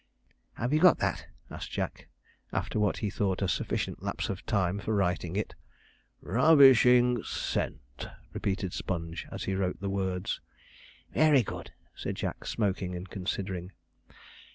"' 'Have you got that?' asked Jack, after what he thought a sufficient lapse of time for writing it. '"Ravishing scent,"' repeated Sponge as he wrote the words. 'Very good,' said Jack, smoking and considering.